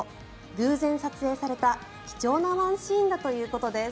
偶然撮影された貴重なワンシーンだということです。